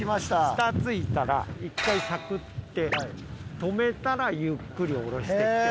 下ついたら１回しゃくって止めたらゆっくり下ろしてきて。